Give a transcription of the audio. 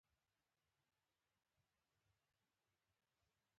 د سګرټ لوګی د سلګونو ناروغیو سبب کېږي.